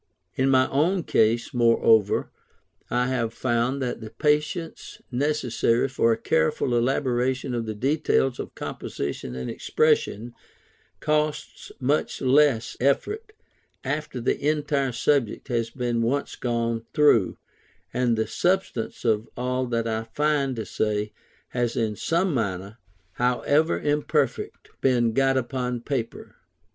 In my own case, moreover, I have found that the patience necessary for a careful elaboration of the details of composition and expression, costs much less effort after the entire subject has been once gone through, and the substance of all that I find to say has in some manner, however imperfect, been got upon paper.